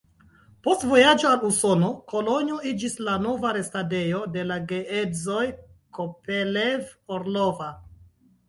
Post vojaĝo al Usono, Kolonjo iĝis la nova restadejo de la geedzoj Kopelev-Orlova.